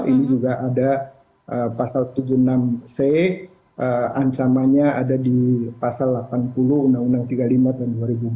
ini juga ada pasal tujuh puluh enam c ancamannya ada di pasal delapan puluh undang undang tiga puluh lima tahun dua ribu empat belas